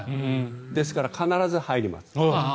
ですから、必ず入ります。